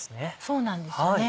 そうなんですよね